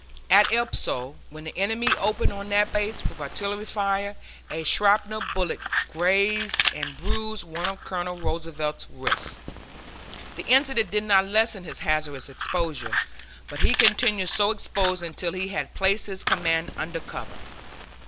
At El Poso, when the enemy opened on that place with artillery fire, a shrapnel bullet grazed and bruised one of Colonel Roosevelt's wrists. The incident did not lessen his hazardous exposure, but he continued so exposed until he had placed his command under cover.